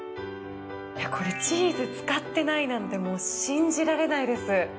これチーズ使ってないなんて信じられないです。